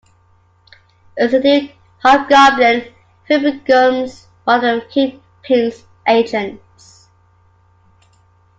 As the new Hobgoblin, Phil becomes one of Kingpin's agents.